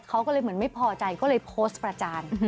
เขาก็เลยเหมือนไม่พอใจก็เลยโพสต์ประจาน